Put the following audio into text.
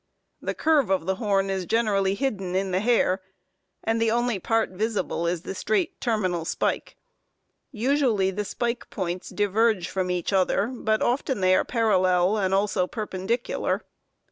The curve of the horn is generally hidden in the hair, and the only part visible is the straight, terminal spike. Usually the spike points diverge from each other, but often they are parallel, and also perpendicular.